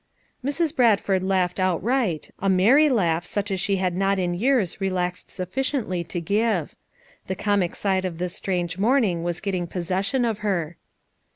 Mrs. Bradford laughed outright, a merry laugh such as she had not in years relaxed suffi FOUR MOTHERS AT CHAUTAUQUA 317 ciently to give. The comic side of this strange morning was getting possession of her.